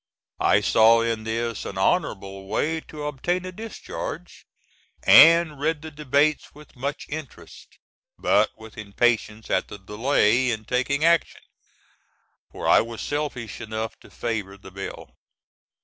I saw in this an honorable way to obtain a discharge, and read the debates with much interest, but with impatience at the delay in taking action, for I was selfish enough to favor the bill.